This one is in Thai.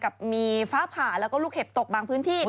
กับมีฟ้าผ่าแล้วก็ลูกเห็บตกบางพื้นที่